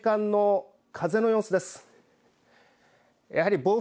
では、この時間の風の様子です。